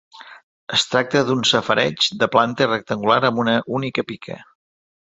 Es tracta d'un safareig de planta rectangular amb una única pica.